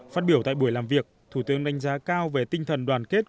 phát biểu tại buổi làm việc thủ tướng đánh giá cao về tinh thần đoàn kết